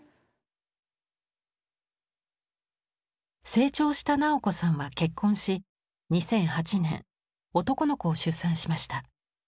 成長した直子さんは結婚し２００８年男の子を出産しました。